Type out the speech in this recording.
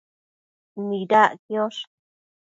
Nidac quiosh